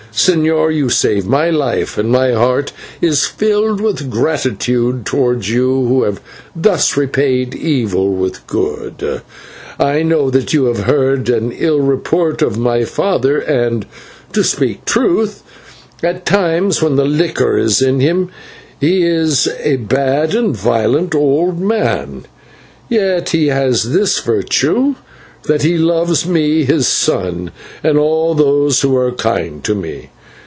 Señor, you saved my life, and my heart is filled with gratitude towards you, who have thus repaid evil with good. I know that you have heard an ill report of my father, and, to speak truth, at times when the liquor is in him, he is a bad and violent old man, yet he has this virtue, that he loves me, his son, and all those who are kind to me.